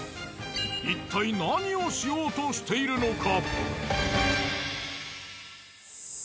いったい何をしようとしているのか。